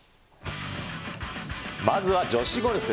まずは女子ゴルフ。